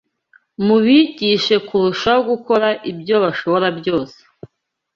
Mubigishe kurushaho gukora ibyo bashobora byose